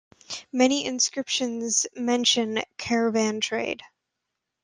Many inscriptions mention caravan trade.